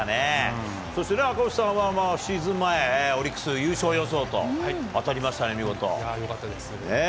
そして、赤星さんは、シーズン前、オリックス優勝予想と、いやぁ、よかったです。